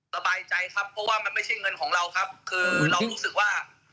สบายใจครับเพราะว่ามันไม่ใช่เงินของเราครับคือเรารู้สึกว่า